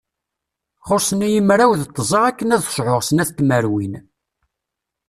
Xussen-iyi mraw d tẓa akken ad sɛuɣ snat tmerwin.